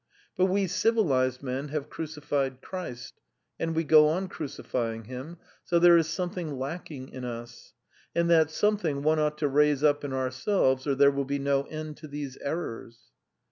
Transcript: But we civilised men have crucified Christ, and we go on crucifying Him, so there is something lacking in us. ... And that something one ought to raise up in ourselves, or there will be no end to these errors."